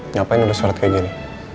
nyapain udah surat kayak gini